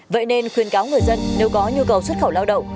vậy nên khuyên cáo người dân nếu có nhu cầu xuất khẩu lao động